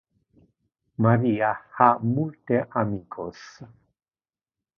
Maria ha multe amicos.